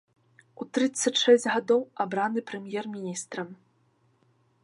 У трыццаць шэсць гадоў абраны прэм'ер-міністрам.